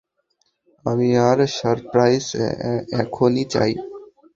আমি আমার সারপ্রাইজ এখনই চাই।